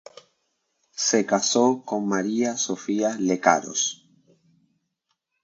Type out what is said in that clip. Se casó con María Sofía Lecaros.